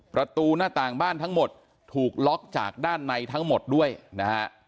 ประตูหน้าต่างบ้านทั้งหมดถูกล็อกจากด้านในทั้งหมดด้วยนะฮะ